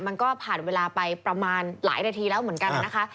มันก็ผ่านเวลาไปประมาณหลายนาทีแล้วเหมือนกันนะคะ